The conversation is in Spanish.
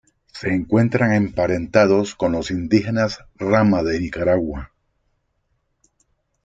Se encuentran emparentados con los indígenas rama de Nicaragua.